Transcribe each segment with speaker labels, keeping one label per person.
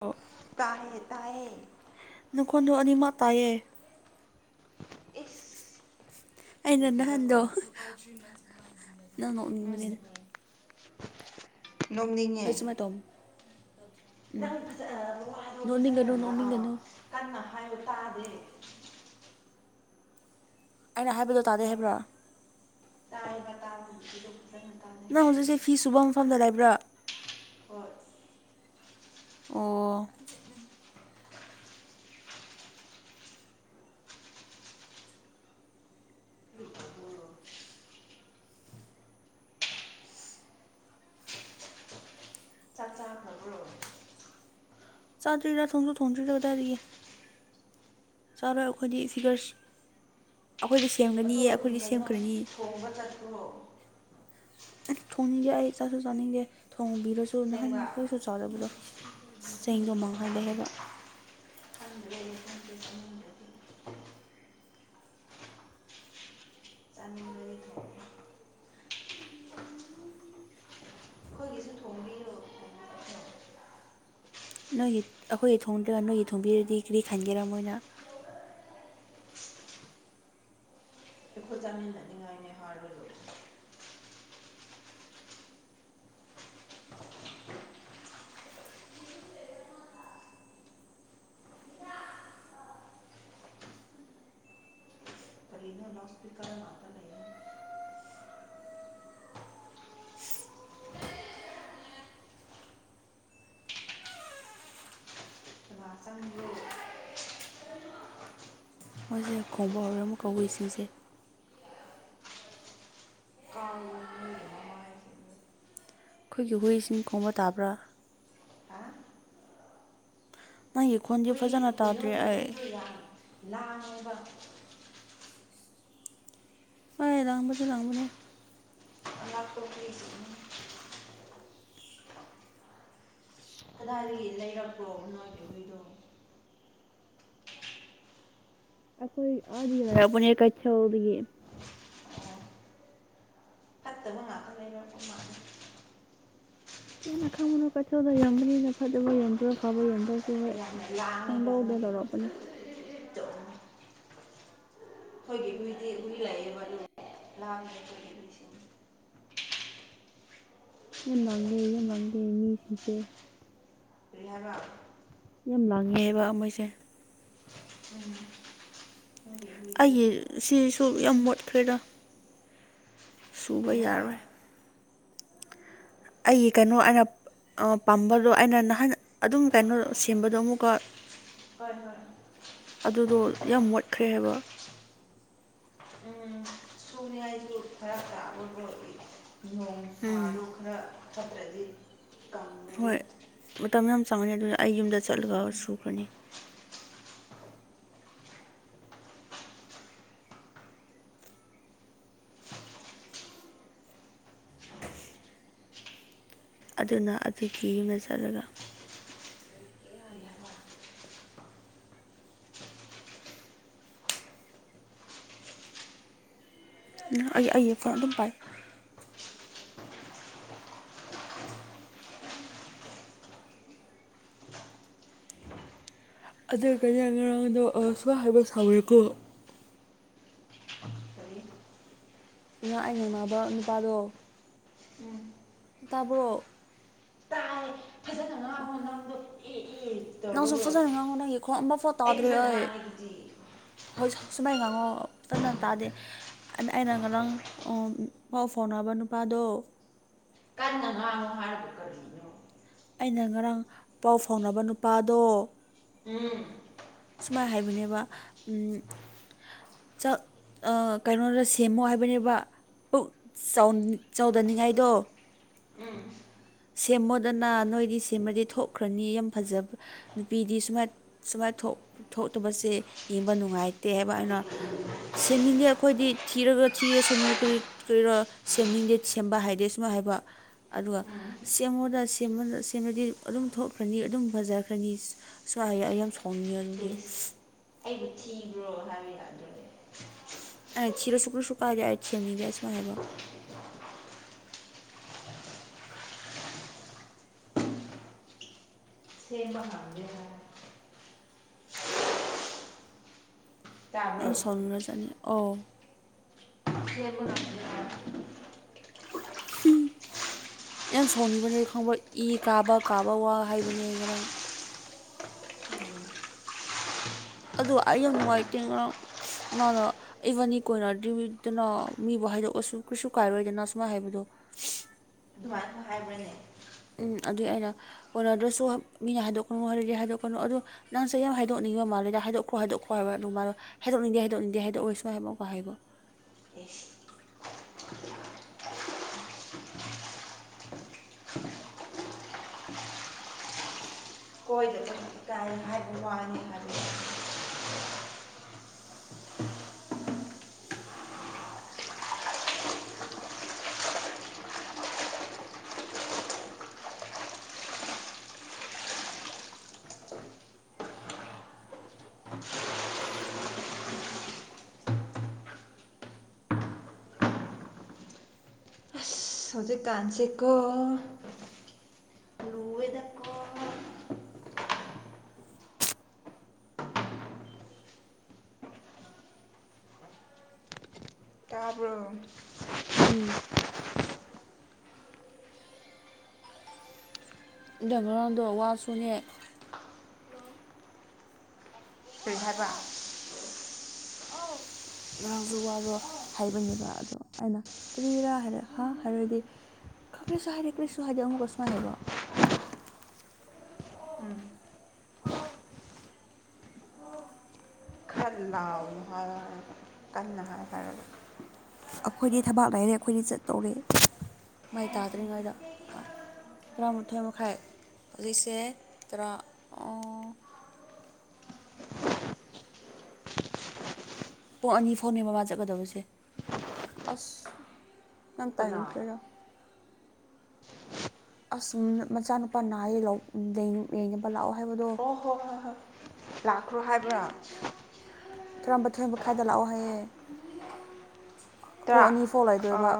Speaker 1: ꯑꯣ
Speaker 2: ꯇꯥꯌꯦ ꯇꯥꯌꯦ
Speaker 1: ꯅꯈꯣꯟꯗꯨ ꯑꯅꯤꯃꯛ ꯇꯥꯏꯌꯦ
Speaker 2: ꯏꯁ
Speaker 1: ꯑꯩꯅ ꯅꯍꯥꯟꯗꯣ
Speaker 2: ꯀꯔꯤꯒꯤꯔꯀꯣ
Speaker 1: ꯅꯪ ꯅꯣꯛꯅꯤꯡꯕꯅꯤꯗ
Speaker 2: ꯎꯝ ꯅꯣꯡꯅꯤꯡꯉꯦ
Speaker 1: ꯑꯩꯁꯨ ꯃꯇꯣꯝ
Speaker 2: ꯅꯪ ꯐꯖ ꯍꯥꯏꯗꯣ ꯐꯖꯅ ꯑꯥ
Speaker 1: ꯅꯣꯛꯅꯤꯡꯒꯅꯨ
Speaker 2: ꯀꯟꯅ ꯍꯥꯏꯌꯣ ꯇꯥꯗꯦ
Speaker 1: ꯑꯩꯅ ꯍꯥꯏꯕꯗꯣ ꯇꯥꯗꯦ ꯍꯥꯏꯕ꯭ꯔꯣ
Speaker 2: ꯇꯥꯑꯦꯕ ꯇꯥꯕꯕꯨꯗꯤ ꯑꯗꯨꯝ ꯐꯖꯅ ꯇꯥꯗꯦ
Speaker 1: ꯅꯪ
Speaker 2: ꯍꯥꯏꯌꯦ
Speaker 1: ꯍꯧꯖꯤꯛꯁꯦ ꯐꯤ ꯁꯨꯕ ꯃꯐꯝꯗ ꯂꯩꯕ꯭ꯔꯥ
Speaker 2: ꯍꯣꯏ
Speaker 1: ꯑꯣ
Speaker 2: [inaudible] [unintelligible] ꯆꯥꯛ ꯆꯥ ꯈꯕ꯭ꯔꯣ
Speaker 1: ꯆꯥꯗ꯭ꯔꯤꯗ ꯊꯣꯡꯁꯨ ꯊꯣꯡꯗ꯭ꯔꯤꯗ ꯀꯗꯥꯏꯗꯒꯤ ꯆꯥꯔꯣꯏ ꯑꯩꯈꯣꯏꯗꯤ ꯐꯤꯒꯔꯁ ꯑꯩꯈꯣꯏꯗꯤ ꯁꯦꯝꯒꯅꯤꯌꯦ ꯑꯩꯈꯣꯏꯗꯤ ꯁꯦꯝꯈ꯭ꯔꯅꯤꯌꯦ
Speaker 2: ꯆꯠꯈ꯭ꯔꯣ
Speaker 1: ꯑꯩ ꯊꯣꯡꯅꯤꯡꯗꯦ ꯑꯩ ꯆꯥꯁꯨ ꯆꯥꯅꯤꯡꯗꯦ ꯊꯣꯡꯕꯤꯔꯁꯨ ꯅꯍꯥꯟ
Speaker 2: ꯑꯁꯦꯡꯕ
Speaker 1: ꯀꯣꯏꯁꯨ ꯆꯥꯗꯕꯗꯣ ꯆꯦꯡꯗꯣ ꯃꯥꯡꯍꯜꯂꯦ ꯍꯥꯏꯕ
Speaker 2: ꯈꯪꯗ꯭ꯔꯦ [unintelligible] ꯆꯥꯅꯤꯡꯕꯗꯤ ꯊꯣꯡꯉꯦ ꯑꯩꯈꯣꯏꯒꯤꯁꯨ ꯊꯣꯡꯕꯤꯌꯣ
Speaker 1: ꯅꯣꯏꯒꯤ ꯑꯈꯣꯏꯒꯤ ꯊꯣꯡꯗ꯭ꯔ ꯅꯣꯏꯒꯤ ꯊꯣꯡꯕꯤꯔꯗꯤ ꯀ꯭ꯔꯤ ꯈꯟꯒꯦꯔꯥ ꯃꯣꯏꯅ
Speaker 2: ꯑꯩꯈꯣꯏ ꯆꯥꯃꯤꯟꯅꯅꯤꯡꯉꯥꯏꯅꯦ ꯍꯥꯔꯒ ꯂꯣꯏꯔꯦ ꯅꯪ ꯂꯥꯎ ꯁꯄꯤꯀꯔ ꯃꯅꯥꯛꯇ ꯂꯩ ꯉꯥꯛꯇꯪꯂꯣ
Speaker 1: ꯃꯣꯏꯁꯦ ꯈꯣꯡꯕ ꯍꯧꯔꯦ ꯑꯃꯨꯛꯀ ꯍꯨꯏꯁꯤꯡꯁꯦ
Speaker 2: ꯀꯥꯡ ꯆꯤꯛꯑꯦ ꯅꯃꯥꯏ
Speaker 1: ꯑꯩꯈꯣꯏꯒꯤ ꯍꯨꯏꯁꯤꯡ ꯈꯣꯡꯕ ꯇꯥꯕ꯭ꯔꯥ
Speaker 2: ꯍꯥ
Speaker 1: ꯃꯥꯒꯤ ꯈꯣꯟ
Speaker 2: ꯍꯨꯏ ꯍꯨꯏ ꯅꯣꯏꯒꯤ ꯍꯨꯏꯗꯣ ꯌꯥꯝ ꯂꯥꯡꯉꯦꯕ
Speaker 1: ꯍꯣꯏ ꯂꯥꯡꯕꯗꯤ ꯂꯥꯡꯕꯅꯦ
Speaker 2: ꯑꯉꯥꯛꯄ ꯍꯨꯏꯁꯤꯡꯅꯤ ꯀꯗꯥꯏꯗꯒꯤ ꯂꯩꯔꯛꯄ꯭ꯔꯣ ꯅꯣꯏꯒꯤ ꯍꯨꯏꯗꯣ
Speaker 1: ꯁꯤ ꯑꯅꯤ ꯂꯩꯔꯛꯄꯅꯦ ꯀꯩꯊꯦꯜꯗꯒꯤ
Speaker 2: ꯑꯣ ꯐꯠꯇꯕ ꯉꯥꯛꯇ ꯂꯩꯔꯛꯄ ꯃꯥꯜꯂꯤ
Speaker 1: ꯈꯣꯏꯅ ꯈꯪꯕ꯭ꯔꯣ ꯀꯩꯊꯦꯜꯗ ꯌꯣꯟꯕꯅꯤꯅ ꯐꯠꯇꯕ ꯌꯣꯟꯕ꯭ꯔꯥ ꯐꯥꯕ ꯌꯣꯟꯕ꯭ꯔꯥꯁꯨ ꯍꯣꯏ
Speaker 2: ꯌꯥꯝꯅ ꯂꯥꯡꯉꯦꯕ
Speaker 1: ꯄꯪꯂꯧꯗ
Speaker 2: ꯅꯣꯏꯒꯤ
Speaker 1: ꯂꯧꯔꯛꯄꯅꯦ
Speaker 2: [unintelligible] ꯑꯩꯈꯣꯏꯒꯤ ꯍꯨꯏꯗꯤ ꯍꯨꯏ ꯂꯩꯌꯦꯕ ꯑꯗꯨꯒꯤ ꯂꯥꯡꯗꯦ ꯑꯈꯣꯏꯒꯤ ꯍꯨꯏꯁꯤꯗꯤ
Speaker 1: ꯌꯥꯝ ꯂꯥꯡꯒꯦ ꯌꯥꯝ ꯂꯥꯡꯒꯦ ꯃꯤꯁꯤꯡꯁꯦ
Speaker 2: ꯀꯔꯤ ꯍꯥꯏꯕ
Speaker 1: ꯌꯥꯝ ꯂꯥꯡꯉꯦꯕ ꯃꯣꯏꯁꯦ
Speaker 2: ꯎꯝ ꯅꯣꯏꯒꯤ
Speaker 1: ꯑꯩꯒꯤ
Speaker 2: ꯍꯨꯏꯁꯤꯗꯤ
Speaker 1: ꯁꯤꯁꯨ ꯌꯥꯝ ꯃꯣꯠꯈ꯭ꯔꯦꯗ ꯁꯨꯕ
Speaker 2: ꯀꯔꯤ ꯍꯥꯏꯕ
Speaker 1: ꯌꯥꯔꯣꯏ ꯑꯩꯒꯤ ꯀꯩꯅꯣ ꯑꯔꯞ ꯑ ꯄꯥꯝꯕꯔꯣ ꯑꯩꯅ ꯅꯍꯥꯟ ꯑꯗꯨꯝ ꯀꯩꯅꯣ ꯁꯦꯝꯕꯗꯣ ꯑꯃꯨꯛꯀ
Speaker 2: ꯍꯣꯏ ꯍꯣꯏ
Speaker 1: ꯑꯗꯨꯗꯣ ꯌꯥꯝ ꯃꯣꯠꯈ꯭ꯔꯦ ꯍꯥꯏꯕ
Speaker 2: ꯐꯔꯛ ꯇꯥꯕ ꯃꯣꯠꯂꯤ [unintelligible]
Speaker 1: ꯎꯝ
Speaker 2: ꯆꯠꯇ꯭ꯔꯗꯤ
Speaker 1: ꯍꯣꯏ ꯃꯇꯝ ꯌꯥꯝ ꯆꯪꯒꯅꯤ ꯑꯗꯨꯏ ꯑꯩ ꯌꯨꯝꯗ ꯆꯠꯂꯒ ꯁꯨꯒꯅꯤ ꯑꯗꯨꯅ ꯑꯗꯨꯒꯤ ꯌꯨꯝꯗ ꯆꯠꯂꯒ
Speaker 2: ꯀꯔꯤ ꯍꯥꯏꯕ
Speaker 1: ꯅꯥ ꯑꯩ ꯑꯩꯒꯤ ꯐꯣꯟ ꯑꯗꯨꯝ ꯄꯥꯏ ꯑꯗꯨ ꯀꯩꯅꯣ ꯉꯔꯥꯡꯗꯣ ꯑꯁ꯭ꯋꯥ ꯍꯥꯏꯕ ꯁꯥꯎꯔꯦꯀꯣ
Speaker 2: ꯀꯔꯤ
Speaker 1: ꯉꯔꯥꯡ ꯑꯩ ꯉꯪꯅꯕ ꯅꯨꯄꯥꯗꯣ
Speaker 2: ꯎꯝ
Speaker 1: ꯇꯥꯕ꯭ꯔꯣ
Speaker 2: ꯇꯥꯏ ꯐꯖꯅ
Speaker 1: ꯑꯣ
Speaker 2: ꯉꯥꯡꯉꯣ [unintelligible]
Speaker 1: ꯅꯪꯁꯨ ꯐꯖꯅ ꯉꯥꯡꯉꯨ ꯅꯪꯒꯤ ꯈꯣꯟ ꯑꯝꯃꯐꯥꯎ ꯇꯥꯗ꯭ꯔꯦ
Speaker 2: ꯐꯖꯅ
Speaker 1: ꯑꯩ
Speaker 2: ꯉꯥꯡꯉꯦ ꯑꯗꯨꯗꯤ
Speaker 1: ꯍꯣꯏ ꯁꯨ ꯁꯨꯃꯥꯏꯟ ꯉꯥꯡꯉꯣ ꯐꯖꯅ ꯇꯥꯗꯦ ꯑ ꯑꯩꯅ ꯉꯔꯥꯡ ꯑ ꯄꯥꯎ ꯐꯥꯎꯅꯕ ꯅꯨꯄꯥꯗꯣ
Speaker 2: ꯀꯟꯅ ꯉꯥꯡꯉꯣ ꯍꯥꯏꯔꯒ ꯀꯔꯤꯅꯣ
Speaker 1: ꯑꯩꯅ ꯉꯔꯥꯡ ꯄꯥꯎ ꯐꯥꯎꯅꯕ ꯅꯨꯄꯥꯗꯣ
Speaker 2: ꯎꯝ
Speaker 1: ꯁꯨꯃꯥꯏ ꯍꯥꯏꯕꯅꯦꯕ ꯎꯝ ꯆꯛ ꯑꯥ ꯀꯩꯅꯣꯗ ꯁꯦꯝꯃꯣ ꯍꯥꯏꯕꯅꯦꯕ ꯄꯨꯛ ꯆꯥꯎꯟ ꯆꯥꯎꯗꯅꯤꯡꯉꯥꯏꯗꯣ
Speaker 2: ꯎꯝ
Speaker 1: ꯁꯦꯝꯃꯣꯗꯅ ꯅꯣꯏꯗꯤ ꯁꯦꯝꯔꯗꯤ ꯊꯣꯛꯈ꯭ꯔꯅꯤ ꯌꯥꯝ ꯐꯖꯕ ꯅꯨꯄꯤꯗꯤ ꯁꯨꯃꯥꯏꯠ ꯁꯨꯃꯥꯏ ꯊꯣꯛ ꯊꯣꯛꯇꯕꯁꯦ ꯌꯦꯡꯕ ꯅꯨꯡꯉꯥꯏꯇꯦ ꯍꯥꯏꯕ ꯑꯩꯅ ꯁꯦꯝꯅꯤꯡꯗꯦ ꯑꯈꯣꯏꯗꯤ ꯊꯤꯔꯒ ꯊꯤꯔꯁꯅꯨ ꯀꯔꯤ ꯀꯔꯤꯔꯣ ꯁꯦꯝꯅꯤꯡꯗꯦ ꯁꯦꯝꯕ ꯍꯥꯏꯗꯦ ꯁꯨꯃꯥꯏ ꯍꯥꯏꯕ ꯑꯗꯨꯒ
Speaker 2: ꯎꯝ
Speaker 1: ꯁꯦꯝꯃꯣꯗ ꯁꯦꯝꯃꯗ ꯁꯦꯝꯔꯗꯤ ꯑꯗꯨꯝ ꯊꯣꯛꯈ꯭ꯔꯅꯤ ꯑꯗꯨꯝ ꯐꯖꯈ꯭ꯔꯅꯤ ꯁꯨ ꯁꯨꯃꯥꯏ ꯍꯥꯏꯌꯦ ꯑꯩ ꯌꯥꯝ ꯁꯥꯎꯅꯤꯡꯉꯦ ꯑꯗꯨꯗꯤ
Speaker 2: ꯏꯁ ꯑꯩꯕꯨ ꯊꯤꯕ꯭ꯔꯣ ꯍꯥꯏꯕ ꯌꯥꯗ꯭ꯔꯣ [unintelligible]
Speaker 1: ꯑꯩꯅ ꯊꯤꯔꯁꯨ ꯀꯔꯤꯁꯨ ꯀꯥꯏꯗꯦ ꯑꯩ ꯁꯦꯝꯅꯤꯡꯗꯦ ꯁꯨꯃꯥꯏ ꯍꯥꯏꯕ
Speaker 2: ꯁꯦꯝꯕ ꯍꯥꯡꯗꯦ ꯍꯥꯏ
Speaker 1: ꯌꯥꯝ
Speaker 2: ꯇꯥꯕ꯭ꯔꯣ
Speaker 1: ꯁꯥꯎꯅꯤꯡꯒ꯭ꯔꯥ ꯖꯥꯠꯅꯤ ꯑꯣ
Speaker 2: ꯁꯦꯝꯕ ꯉꯝ [unintelligible] [unintelligible]
Speaker 1: ꯌꯥꯝ ꯁꯥꯎꯅꯤꯡꯕꯅꯦ ꯈꯪꯕ꯭ꯔ ꯏ ꯀꯥꯕ ꯀꯥꯕ ꯋꯥ ꯍꯥꯏꯕꯅꯦ ꯉꯔꯥꯡ
Speaker 2: ꯎꯝ
Speaker 1: ꯑꯗꯨ ꯑꯩ ꯌꯥꯝ ꯅꯨꯡꯉꯥꯏꯇꯦ ꯉꯔꯥꯡ [unintelligible] ꯃꯥꯅꯥ ꯏꯕꯥꯟꯅꯤ ꯀꯣꯏꯅꯗ꯭ꯔꯤ [unintelligible] ꯗꯅ ꯃꯤꯕꯨ ꯍꯥꯏꯗꯣꯛ ꯑꯁꯨ ꯀ꯭ꯔꯤꯁꯨ ꯀꯥꯏꯔꯣꯏꯗꯅ ꯁꯨꯃꯥꯏ ꯍꯥꯏꯕꯗꯣ [unintelligible]
Speaker 2: ꯑꯗꯨꯃꯥꯏꯅꯕꯨ ꯍꯥꯏꯕ꯭ꯔꯅꯦ
Speaker 1: ꯎꯝ ꯑꯗꯨꯏ ꯑꯩꯅ ꯀꯣꯟꯅꯗ꯭ꯔꯁꯨ ꯍꯞ ꯃꯤꯅ ꯍꯥꯏꯗꯣꯛꯀꯅꯨ ꯍꯥꯏꯔꯗꯤ ꯍꯥꯏꯗꯣꯛꯀꯅꯨ ꯑꯗꯨ ꯅꯪꯁꯦ ꯌꯥꯝ ꯍꯥꯏꯗꯣꯛꯅꯤꯡꯕ ꯃꯥꯜꯂꯦꯗ ꯍꯥꯗꯣꯛꯈ꯭ꯔꯣ ꯍꯥꯏꯗꯣꯛꯈ꯭ꯔꯣ ꯍꯥꯏꯕ ꯑꯗꯨ ꯃꯥꯗꯣ ꯍꯥꯏꯗꯣꯛꯅꯤꯡꯗꯦ ꯍꯗꯣꯛꯅꯤꯡꯗꯦ ꯍꯥꯏꯗꯣꯛꯑꯣꯏ ꯁꯨꯃꯥꯏ ꯍꯥꯏꯕ ꯑꯃꯨꯛꯀ ꯍꯥꯏꯕ
Speaker 2: ꯏꯁ [unintelligible] ꯀꯣꯏꯗ [unintelligible] ꯇꯥꯏ ꯍꯥꯏꯕ ꯋꯥꯅꯤ ꯍꯥꯏꯕ [unintelligible] [unintelligible] ꯍꯧꯖꯤꯛ ꯀꯥꯟꯁꯦꯀꯣ ꯂꯨꯋꯦꯗꯀꯣ [unintelligible] ꯇꯥꯕ꯭ꯔꯣ [unintelligible]
Speaker 1: ꯎꯝ ꯑꯗꯨ ꯃꯔꯝꯗꯣ ꯋꯥꯁꯨꯅꯦ
Speaker 2: ꯀꯔꯤ ꯍꯥꯏꯕ [unintelligible]
Speaker 1: ꯉꯔꯥꯡꯁꯨ ꯋꯥꯗꯣ ꯑꯧ ꯍꯥꯏꯕꯅꯦꯕ ꯑꯗꯣ ꯑꯩꯅ ꯀꯔꯤꯔꯥ ꯍꯥꯏꯔꯦ ꯍꯥ ꯍꯥꯏꯔꯗꯤ ꯈꯔꯤꯁꯨ ꯍꯥꯏꯗꯦ ꯀ꯭ꯔꯤꯁꯨ ꯍꯥꯏꯗꯦ ꯑꯃꯨꯛꯀ ꯁꯨꯃꯥꯏ ꯍꯥꯏꯕ
Speaker 2: ꯎꯝ ꯈꯔ ꯂꯥꯎꯅ ꯍꯥꯏꯌꯨ ꯍꯥꯏꯔꯒ ꯀꯟꯅ ꯍꯥꯏ ꯍꯥꯏꯔꯒ
Speaker 1: ꯑꯈꯣꯏꯗꯤ ꯊꯕꯥꯛ ꯂꯩꯔꯦ ꯑꯈꯣꯏꯗꯤ ꯆꯠꯇꯧꯔꯦ ꯃꯥꯏ ꯇꯥꯗ꯭ꯔꯤꯉꯩꯗ ꯍꯥ ꯇꯔꯥꯃꯊꯣꯏ ꯇꯔꯥꯃꯥꯊꯣꯏ ꯃꯈꯥꯏ ꯍꯧꯖꯤꯛꯁꯦ ꯇꯔꯥ ꯄꯨꯡ ꯑꯅꯤ ꯐꯥꯎꯅꯤ ꯕ ꯃꯥ ꯆꯠꯀꯗꯕꯁꯦ ꯑꯁ ꯌꯥꯝ
Speaker 2: ꯀꯅꯥ
Speaker 1: ꯇꯟꯈ꯭ꯔꯦꯗ ꯑꯁ ꯎꯝ ꯃꯆꯥꯅꯨꯄꯥ ꯅꯥꯏꯑꯦ ꯂꯧ ꯎꯝ ꯌꯦꯡ ꯌꯦꯡꯉꯦꯕ ꯂꯥꯛꯑꯣ ꯍꯥꯏꯕꯗꯣ
Speaker 2: ꯑꯣ ꯍꯣꯏ ꯍꯣꯏ ꯍꯣꯏ ꯂꯥꯛꯈ꯭ꯔꯣ ꯍꯥꯏꯕ꯭ꯔ
Speaker 1: ꯇꯔꯥꯃꯊꯣꯏ ꯃꯈꯥꯏꯗ ꯂꯥꯛꯑꯣ ꯍꯥꯏꯌꯦ [unintelligible]
Speaker 2: ꯇꯥ꯭ꯔꯥ
Speaker 1: ꯑꯅꯤ ꯐꯥꯎ
Speaker 2: ꯑ
Speaker 1: ꯂꯩꯗꯣꯏꯕ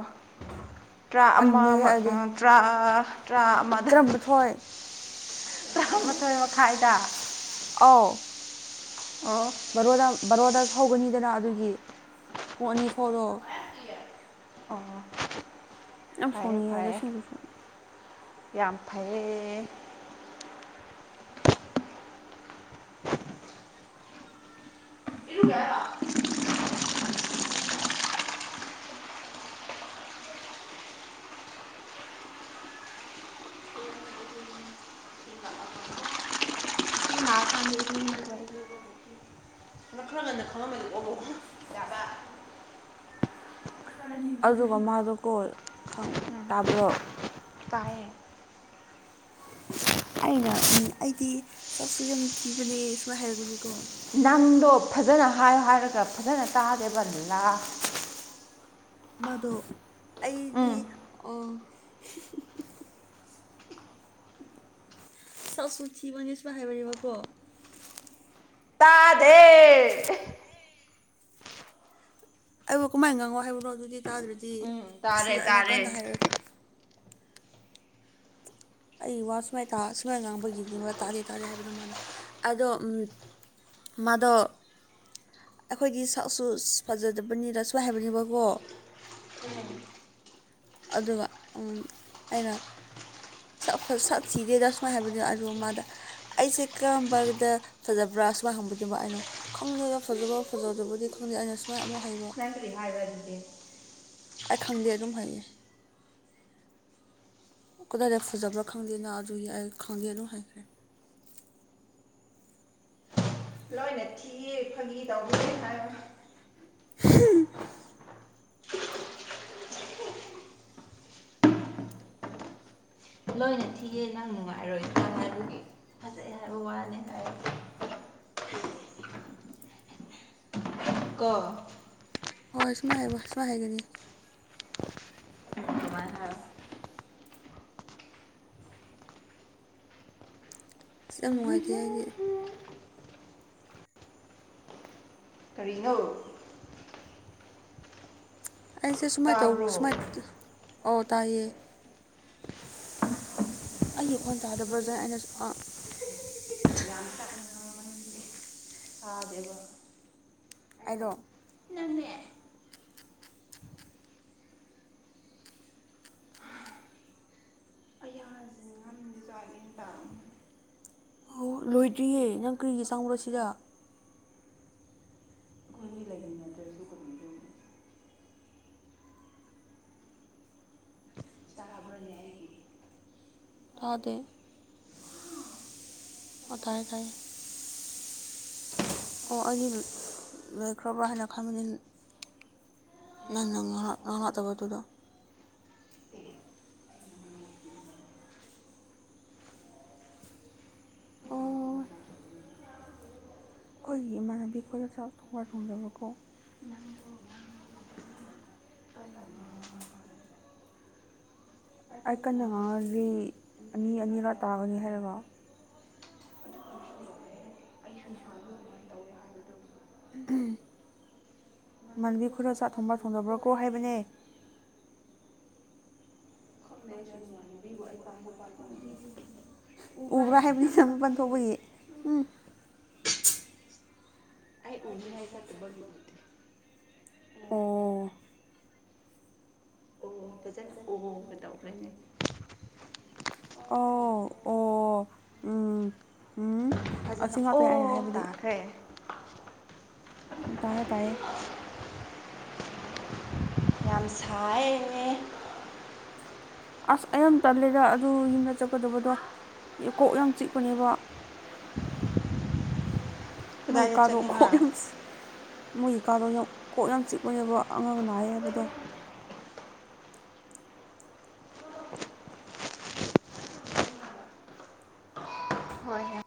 Speaker 2: ꯇ꯭ꯔꯥ ꯑꯃ
Speaker 1: ꯇꯟꯂꯦꯍꯦ
Speaker 2: ꯑꯃ ꯑ
Speaker 1: ꯑꯩꯗꯤ
Speaker 2: ꯇꯥ꯭ꯔ ꯇ꯭ꯔꯥ ꯑꯃꯗ
Speaker 1: ꯊꯣꯏ
Speaker 2: ꯇꯔꯥꯃꯥꯊꯣꯏ ꯃꯈꯥꯏꯗ
Speaker 1: ꯑꯥꯎ
Speaker 2: ꯑꯣ
Speaker 1: ꯕꯔꯣꯗ ꯕꯔꯣꯗ ꯍꯧꯕꯅꯤꯗꯅ ꯑꯗꯨꯒꯤ ꯄꯨꯡ ꯑꯅꯤ ꯐꯥꯎꯔꫭ
Speaker 2: ꯑꯣ
Speaker 1: ꯌꯥꯝ
Speaker 2: ꯐꯩꯌꯦ
Speaker 1: ꯁꯥꯎꯅꯤꯡꯉꯦ ꯍꯥꯏꯗꯤ
Speaker 2: ꯐꯩꯌꯦ
Speaker 1: ꯑꯁꯦꯡꯕꯁꯨ
Speaker 2: ꯌꯥꯝ ꯐꯩꯌꯦ ꯏꯔꯨꯒꯦ ꯍꯥꯏꯔꯣ ꯅꯈꯔ ꯉꯟꯅ ꯈꯪꯉꯝꯃꯗꯤ ꯀꯣ ꯌꯥꯕ
Speaker 1: ꯑꯗꯨꯒ ꯃꯥꯗꯣ ꯀꯣ ꯈꯪ
Speaker 2: ꯎꯝ
Speaker 1: ꯇꯥꯕ꯭ꯔꯣ
Speaker 2: ꯇꯥꯏꯌꯦ
Speaker 1: ꯑꯩꯅ ꯎꯝ ꯑꯩꯗꯤ ꯁꯛꯁꯨ ꯌꯥꯝ ꯊꯤꯕꯅꯦ ꯁꯨꯃꯥꯏꯅ ꯍꯥꯏꯕꯅꯦꯀꯣ
Speaker 2: ꯅꯪꯗꯣ ꯐꯖꯅ ꯍꯥꯏꯌꯨ ꯍꯥꯏꯔꯒ ꯐꯖꯅ ꯇꯥꯗꯦꯕ ꯂꯥ
Speaker 1: ꯃꯗꯣ ꯑꯩꯗꯤ
Speaker 2: ꯎꯝ
Speaker 1: ꯑꯥ ꯁꯛꯁꯨ ꯊꯤꯕꯅꯦ ꯁꯃꯥꯏ ꯍꯥꯏꯕꯅꯦꯕꯀꯣ
Speaker 2: ꯇꯥꯗꯦ
Speaker 1: ꯑꯩꯕꯨ ꯀꯃꯥꯏꯅ ꯉꯥꯡꯉꯣ ꯍꯥꯏꯕꯅꯣ ꯑꯗꯨꯗꯤ ꯇꯥꯗ꯭ꯔꯗꯤ
Speaker 2: ꯎꯝ
Speaker 1: ꯁꯤ
Speaker 2: ꯇꯥꯔꯦ
Speaker 1: ꯑꯩꯅ ꯀꯟꯅ
Speaker 2: ꯇꯥꯔꯦ
Speaker 1: ꯍꯥꯏꯔ ꯑꯩ ꯋꯥ ꯁꯨꯃꯥꯏ ꯁꯨꯃꯥꯏꯅ ꯉꯥꯡꯕꯒꯤꯅꯤ ꯋꯥ ꯇꯥꯗꯦ ꯇꯥꯗꯦ ꯍꯥꯏꯕꯗꯣ ꯃꯥꯅ ꯑꯗꯣ ꯎꯝ ꯃꯥꯗꯣ ꯑꯩꯈꯣꯏꯒꯤ ꯁꯛꯁꯨ ꯐꯖꯗꯕꯅꯤꯗ ꯁꯨꯃꯥꯏ‌ ꯍꯥꯏꯕꯅꯤꯕꯀꯣ
Speaker 2: ꯎꯝ
Speaker 1: ꯑꯗꯨꯒ ꯎꯝ ꯑꯩꯅ ꯁꯛ ꯁꯛ ꯊꯤꯗꯦꯗ ꯁꯨꯃꯥꯏ ꯍꯥꯏꯕꯗꯨ ꯑꯗꯨ ꯃꯥꯗ ꯑꯩꯁꯦ ꯀꯔꯝꯕꯗ ꯐꯖꯕ꯭ꯔꯥ ꯁꯨꯃꯥꯏ ꯍꯪꯕꯅꯦꯕ ꯑꯩꯅ ꯈꯪꯗꯦꯗ ꯐꯖꯕ ꯐꯖꯗꯕꯨꯗꯤ ꯈꯪꯗꯦ ꯑꯩꯅ ꯁꯨꯃꯥꯏꯅ ꯑꯃꯨꯛ ꯍꯥꯏꯕ
Speaker 2: [unintelligible]
Speaker 1: ꯑꯩ ꯈꯪꯗꯦ ꯑꯗꯨꯝ ꯍꯩꯌꯦ ꯀꯗꯥꯏꯗ ꯐꯖꯕ꯭ꯔꯥ ꯈꯪꯗꯦꯅ ꯑꯗꯨ ꯌꯥꯏ ꯈꯪꯗꯦ ꯑꯗꯨꯝ ꯍꯥꯏꯈ꯭ꯔꯦ
Speaker 2: ꯂꯣꯏꯅ ꯊꯤꯌꯦ ꯐꯥꯒꯤ ꯇꯧꯕꯅꯦ ꯍꯥꯏꯕ
Speaker 1: [unintelligible]
Speaker 2: ꯂꯣꯏꯅ ꯊꯤ ꯅꯪ ꯅꯨꯡꯉꯥꯏꯔꯣꯏꯗꯔ ꯐꯖꯩ ꯍꯥꯏꯕ ꯋꯥꯅꯤꯗ ꯑꯩ ꯀꯣ
Speaker 1: ꯍꯣꯏ ꯁꯨꯃꯥꯏ ꯍꯥꯏꯕ ꯁꯃꯥꯢ ꯍꯥꯏꯒꯅꯤ
Speaker 2: ꯎꯝ ꯗꯨꯃꯥꯏ ꯍꯥꯏꯌꫭ
Speaker 1: ꯑꯁ ꯌꯥꯝ ꯅꯨꯡꯉꯥꯏꯇꯦ ꯑꯩꯗꯤ
Speaker 2: ꯀꯔꯤꯅꯣ
Speaker 1: ꯑꯩꯁꯦ ꯁꯨꯃꯥꯏ ꯇꯧ
Speaker 2: ꯇꯥꯕ꯭ꯔꯣ
Speaker 1: ꯁꯨꯃꯥꯏ ꯑꯣ ꯇꯥꯏꯌꯦ ꯑꯩꯒꯤꯈꯣꯟ ꯇꯥꯗꯕ꯭ꯔꯖ ꯑꯩꯅ ꯑꯥ
Speaker 2: ꯌꯥꯝ ꯇꯞꯅ ꯉꯥꯡꯃꯟꯕꯒꯤ ꯇꯥꯗꯦꯕ
Speaker 1: ꯑꯩꯗꯣ
Speaker 2: ꯅꯝꯃꯦ ꯑꯩꯌꯥꯖꯦ ꯉꯝ [unintelligible]
Speaker 1: ꯍꯧ ꯂꯣꯏꯗ꯭ꯔꯤꯌꯦ ꯅꯪ ꯀꯔꯤꯒꯤ ꯆꯪꯕꯔꯁꯤꯗ
Speaker 2: ꯑꯩꯈꯣꯏꯅꯤ ꯂꯩꯃꯤꯟꯅꯗ꯭ꯔꯁꯨ ꯀꯔꯤꯅꯣ ꯕꯥꯅꯤ ꯑꯩꯒꯤ
Speaker 1: ꯇꯥꯗꯦ ꯑꯣ ꯇꯥꯢꯌꯦ ꯇꯥꯏꯌꯦ ꯑꯣ ꯑꯩꯗꯤ ꯂꯣꯢꯈ꯭ꯔꯥꯕ꯭ꯔ ꯍꯥꯏꯅ ꯈꯟꯕꯅꯦ ꯅꯪ ꯅ ꯉꯥꯍꯥꯛ
Speaker 2: ꯋꯥꯠꯂꯕꯗꯨꯒ
Speaker 1: ꯉꯍꯥꯛꯇꯕꯗꯨꯗ
Speaker 2: ꯑꯦ
Speaker 1: ꯑꯣ ꯈꯣꯏꯒꯤ ꯏꯃꯥ ꯅꯪꯗꯤ ꯈꯣꯢꯔ ꯆꯥꯛ ꯊꯣꯡꯕ꯭ꯔꯥ ꯊꯣꯡꯗꯥꯕ ꯀꯣ
Speaker 2: ꯅꯪꯕꯨ
Speaker 1: ꯑꯩ ꯀꯟꯅ ꯉꯥꯡꯉꯗꯤ ꯑꯅꯤ ꯑꯅꯤꯔꯛ ꯇꯥꯒꯅꯤ ꯍꯥꯏꯔꯒ
Speaker 2: ꯑꯗꯨ ꯑꯣꯏꯔꯁꯨ ꯌꯥꯏꯌꯦ ꯑꯩꯁꯨ ꯅꯥꯍꯟꯁꯨ ꯑꯗꯨꯃꯥꯏꯅ ꯇꯧꯋꯦ ꯍꯥꯏꯕꯗꯨ ꯏꯃꯥꯟꯅꯕꯤ
Speaker 1: ꯏꯃꯥꯟꯕꯤ
Speaker 2: ꯈꯣꯏꯗꯣ
Speaker 1: ꯈꯔ ꯆꯥꯛ
Speaker 2: ꯊꯣꯡꯕ
Speaker 1: ꯊꯣꯡꯕ꯭ꯔꯥ
Speaker 2: ꯊꯦꯡꯅꯕ꯭ꯔꯀꯣ
Speaker 1: ꯊꯣꯡꯅꯕ꯭ꯔꯥꯀꯣ ꯍꯥꯏꯕꯅꯦ
Speaker 2: ꯈꯪꯗꯦ ꯑꯩꯁꯨ ꯏꯃꯥꯟꯅꯥꯕꯤꯕꯨ ꯑꯩ ꯄꯥꯏꯁꯨ ꯄꯥꯏꯗꯅꯥ
Speaker 1: ꯎꯕ꯭ꯔꯥ ꯍꯥꯏꯕꯅꯤꯗ ꯃꯄꯥꯟ ꯊꯣꯛꯄꯒꯤ ꯎꯝ
Speaker 2: ꯑꯩ ꯎꯅꯤꯉꯥꯏ ꯆꯠꯇꯕꯒꯤ ꯎꯗꯦ
Speaker 1: ꯑꯣ
Speaker 2: ꯑꯣ ꯐꯖꯅ ꯎꯍꯧꯕꯗꯣ ꯈꯣꯏꯅꯦ
Speaker 1: ꯑꯣ ꯑꯣ ꯎꯝ ꯎꯝ
Speaker 2: ꯐꯖꯅ
Speaker 1: ꯑꯁꯤ ꯉꯥꯛꯇꯅꯦ ꯑꯩꯅ
Speaker 2: ꯑꯣ
Speaker 1: ꯍꯥꯏꯕꯗꯤ
Speaker 2: ꯇꯥꯈ꯭ꯔꯦ
Speaker 1: ꯇꯥꯌꯦ ꯇꯥꯏꯌꯦ
Speaker 2: ꯌꯥꯝ ꯁꯥꯏꯌꯦ
Speaker 1: ꯑꯁ ꯑꯩ ꯌꯥꯝ ꯇꯜꯂꯦꯗ ꯑꯗꯨ ꯌꯨꯝꯗ ꯆꯠꯀꯗꯕꯗꯣ ꯀꯣꯛ ꯌꯥꯝ ꯆꯤꯛꯄꯅꯦꯕ ꯃꯩ
Speaker 2: ꯀꯗꯥꯏꯗ
Speaker 1: ꯀꯥꯗꯣ
Speaker 2: ꯆꯠꯅꯤꯡꯉꯥ
Speaker 1: ꯀꯣꯛ ꯌꯥꯝ ꯃꯣꯏꯒꯤ ꯀꯥꯗꯣ ꯌꯥꯝ ꯀꯣꯛ ꯌꯥꯝ ꯆꯤꯛꯄꯅꯦꯕ ꯑꯉꯥꯡ ꯅꯥꯏꯌꯦ ꯍꯥꯏꯕꯗꯣ
Speaker 2: ꯍꯣꯏꯍꯦ